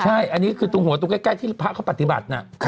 ใช่อันนี้คือตรงหัวตรงใกล้ที่พระเขาปฏิบัติน่ะ